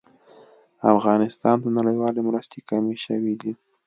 افغانستان ته نړيوالې مرستې کمې شوې دي